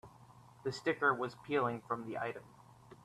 The sticker was peeling from the item.